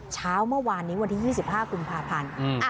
เช้าเมื่อวานนี้วันที่ยี่สิบห้ากรุงพาพันธ์อืม